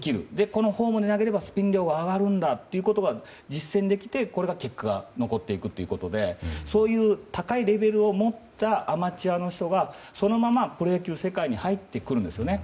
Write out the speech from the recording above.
このフォームで投げればスピン量が上がるんだと実践できて、これが結果が残っていくということでそういう高いレベルを持ったアマチュアの人がそのままプロ野球世界に入っていくんですよね。